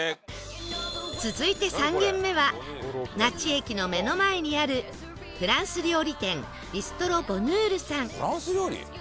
続いて３軒目は那智駅の目の前にあるフランス料理店ビストロボヌールさんフランス料理？